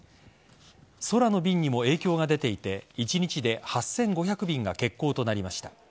空の便にも影響が出ていて１日で８５００便が欠航となりました。